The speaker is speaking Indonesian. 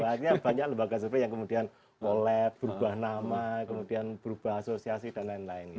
artinya banyak lembaga survei yang kemudian molet berubah nama kemudian berubah asosiasi dll